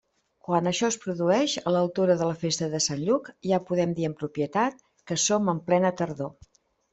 Quan això es produeix, a l'altura de la festa de Sant Lluc, ja podem dir amb propietat que som en plena tardor.